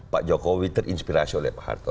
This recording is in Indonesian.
pak jokowi terinspirasi oleh pak harto